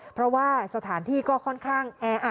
เพราะว่าสถานที่ก็ค่อนข้างแออัด